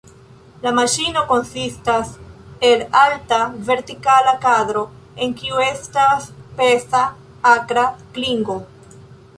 La maŝino konsistas el alta vertikala kadro, en kiu estas peza akra klingo.